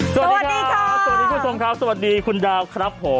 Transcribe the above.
สวัสดีค่ะสวัสดีคุณสงครัวสวัสดีคุณดาวครับผม